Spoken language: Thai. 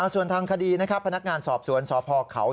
ส่วนทางคดีนะครับพนักงานสอบสวนสพเขา